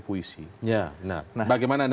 puisi bagaimana anda